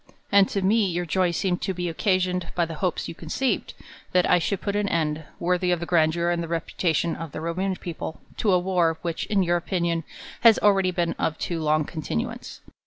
And to me your joy seemed to be occasioned by the hopes you conceived, that I should put an end, worthy of the grandeur and reputation of the Roman peo ple, to a jr^ar, which, in your opinion, has already been of too long continuance.